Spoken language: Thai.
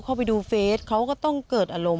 ไม่อยากให้มองแบบนั้นจบดราม่าสักทีได้ไหม